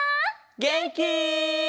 げんき？